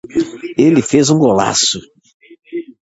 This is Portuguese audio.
ele fez um golaço